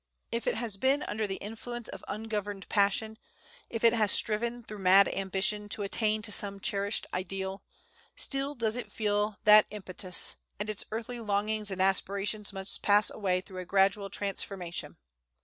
If it has been under the influence of ungoverned passion; if it has striven, through mad ambition, to attain to some cherished ideal, still does it feel that impetus, and its earthly longings and aspirations must pass away through a gradual transformation.